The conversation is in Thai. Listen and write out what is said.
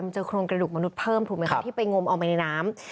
มันเจอคนกระดูกมนุษย์เพิ่มที่ไปงมออกมาในน้ำ